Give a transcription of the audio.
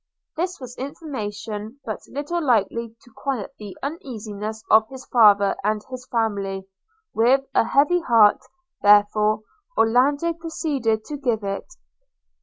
This was information but little likely to quiet the uneasiness of his father and his family – with a heavy heart, therefore, Orlando proceeded to give it.